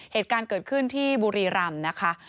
เหตุการณ์เกิดขึ้นที่บุรีรำนะคะ